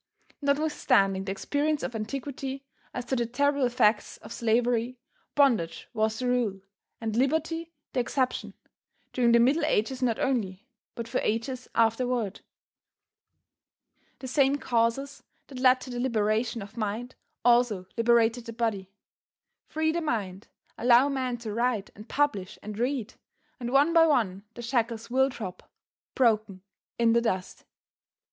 Nothwithstanding the experience of antiquity as to the terrible effects of slavery, bondage was the rule, and liberty the exception, during the Middle Ages not only, but for ages afterward. The same causes that led to the liberation of mind also liberated the body. Free the mind, allow men to write and publish and read, and one by one the shackles will drop, broken, in the dust.